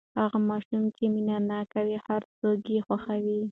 هغه ماشوم چې مینه ناک وي، هر څوک یې خوښوي.